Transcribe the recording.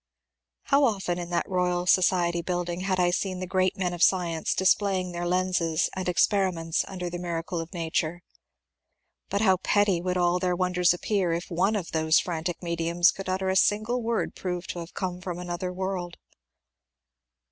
How often in that Boyal Society building had I seen the great men of science displaying by their lenses and experi ments the miracles of nature ! But how petty would all their wonders appear if one of those frantic mediums could utter a single word proved to have come from another world